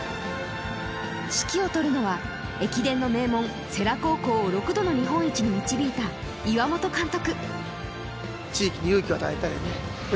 指揮を執るのは駅伝の名門・世羅高校を６度の日本一に導いた岩本監督。